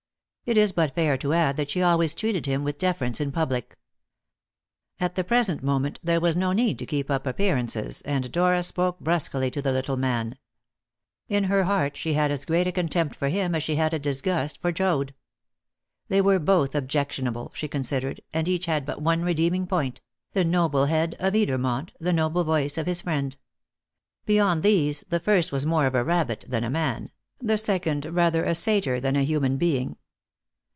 It is but fair to add that she always treated him with deference in public. At the present moment there was no need to keep up appearances, and Dora spoke brusquely to the little man. In her heart she had as great a contempt for him as she had a disgust for Joad. They were both objectionable, she considered, and each had but one redeeming point the noble head of Edermont, the noble voice of his friend. Beyond these, the first was more of a rabbit than, a man; the second rather a satyr than a human being.